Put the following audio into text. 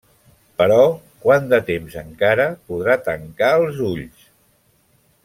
Però quant de temps encara podrà tancar els ulls?